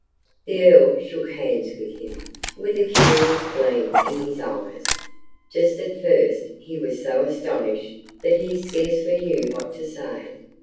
The Earl shook hands with him, with a curious gleam in his eyes; just at first, he was so astonished that he scarcely knew what to say.